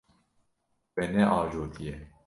We neajotiye.